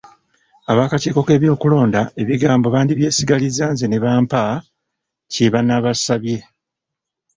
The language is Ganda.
Ab'akiiko k'ebyokulonda ebigambo bandibyesigaliza nze ne bampa kye banabasabye.